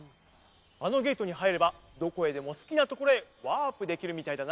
あのゲートにはいればどこへでもすきなところへワープできるみたいだな。